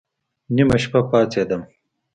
نيمه شپه پاڅېدم.